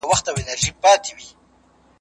نو صنف نه ستړی کېږي.